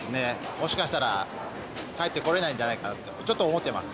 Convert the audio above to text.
もしかしたら帰ってこれないんじゃないかとちょっと思ってます。